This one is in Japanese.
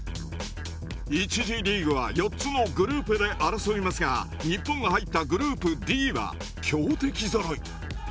１次リーグは４つのグループで争いますが日本が入ったグループＤは強敵ぞろい。